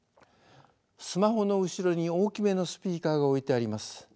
スマホの後ろに大きめのスピーカーが置いてあります。